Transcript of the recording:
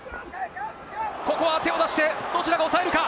ここは手を出して、どちらがおさえるか？